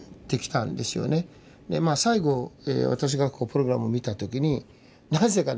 最後私がプログラムを見た時になぜかね